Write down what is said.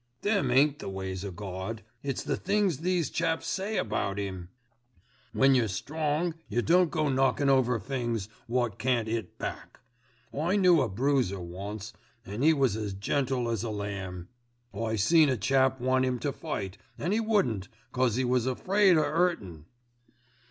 "Them ain't the ways of Gawd, it's the things these chaps says about 'Im. When you're strong, yer don't go knockin' over things wot can't 'it back. I knew a bruiser once, an' 'e was as gentle as a lamb. I seen a chap want 'im to fight, an' 'e wouldn't, 'cause 'e was afraid of 'urtin'."